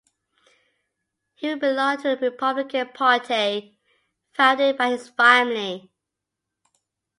He belonged to the Republican Party founded by his family.